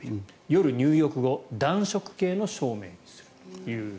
夜、入浴後暖色系の照明にすると。